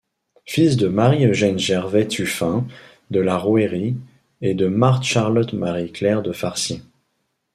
Fils de Marie Eugène Gervais Tuffin de La Rouërie et de Marthe-Charlotte-Marie-Claire de Farcy.